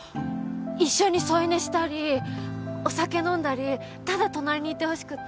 一緒に添い寝したりお酒飲んだりただ隣にいてほしくて。